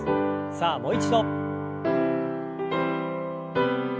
さあもう一度。